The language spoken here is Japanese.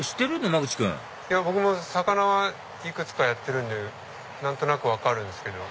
野間口君僕も魚はいくつかやるんで何となく分かるんですけど。